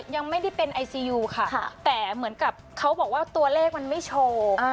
ยังไม่ได้เป็นไอซียูค่ะแต่เหมือนกับเขาบอกว่าตัวเลขมันไม่โชว์